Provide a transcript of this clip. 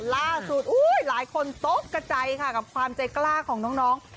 ล่าสุดหลายคนตกกระจายค่ะกับความใจกล้าของน้อง